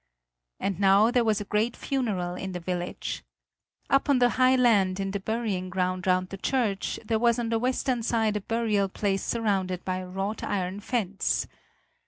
And now there was a great funeral in the village. Up on the high land in the burying ground round the church there was on the western side a burial place surrounded by a wrought iron fence.